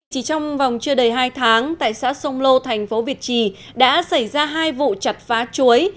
chỉ trong vòng chưa đầy hai tháng tại xã sông lô thành phố việt trì đã xảy ra hai vụ chặt phá chuối